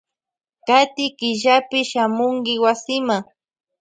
Kati killapi shamunki wasima.